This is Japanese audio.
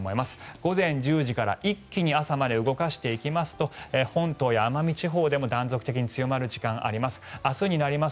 午前１０時から一気に朝まで動かしていきますと本島や奄美地方でも断続的に強まる時間があります。